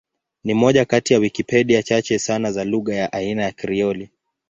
Ni moja kati ya Wikipedia chache sana za lugha ya aina ya Krioli.